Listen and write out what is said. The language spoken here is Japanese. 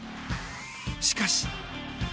しかし。